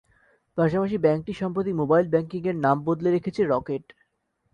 পাশাপাশি ব্যাংকটি সম্প্রতি মোবাইল ব্যাংকিংয়ের নাম বদলে রেখেছে রকেট।